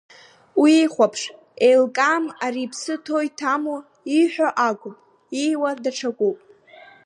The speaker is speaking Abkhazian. Уихәаԥш, еилкаам ари иԥсы ҭоу иҭаму, ииҳәо акуп, ииуа даҽакуп.